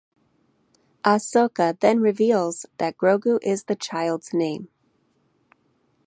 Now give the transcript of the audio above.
Ahsoka then reveals that Grogu is the Child’s name.